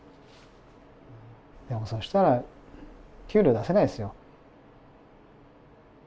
でもそうしたら給料出せないですよ。